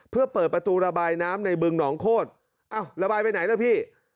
เพื่อเปิดประตูระบายน้ำในบึงหนองโคตรอ้าวระบายไปไหนล่ะพี่